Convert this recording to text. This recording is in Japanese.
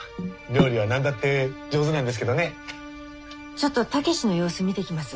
ちょっと武志の様子見てきます。